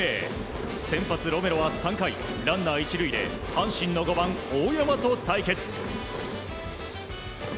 先発、ロメロは３回ランナー１塁で阪神の５番、大山と対決。